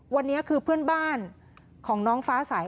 วันนี้คือเพื่อนบ้านของน้องฟ้าสาย